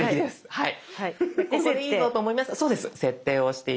はい。